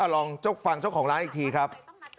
ลองฟังเจ้าของร้านอีกทีครับ